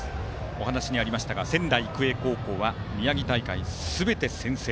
お話にありましたが仙台育英高校は宮城大会すべて先制。